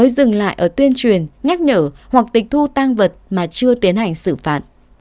dừng lại ở tuyên truyền nhắc nhở hoặc tịch thu tăng vật mà chưa tiến hành xử phạt